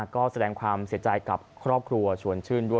ก็แสดงความเสียใจกับครอบครัวชวนชื่นด้วย